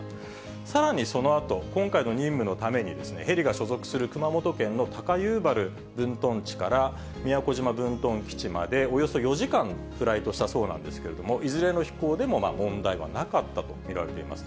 さらにそのあと、今回の任務のために、ヘリが所属する熊本県の高遊原分屯地から宮古島分屯基地までおよそ４時間フライトしたそうなんですけれども、いずれの飛行でも問題はなかったと見られています。